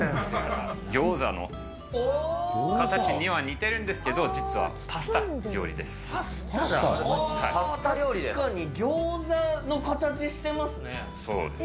ギョーザの形には似てるんですけど、実はパスタ料理です。